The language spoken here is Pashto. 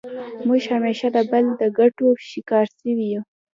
موږ همېشه د بل د ګټو ښکار سوي یو.